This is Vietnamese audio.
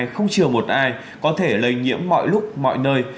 không trừ một ai có thể lây nhiễm mọi lúc mọi nơi